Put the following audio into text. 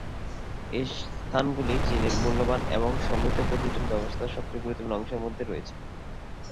এই স্থানগুলি চীনের মূল্যবান এবং সমৃদ্ধ পর্যটন ব্যবস্থার সবচেয়ে গুরুত্বপূর্ণ অংশগুলির মধ্যে রয়েছে।